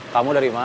kamu dari mana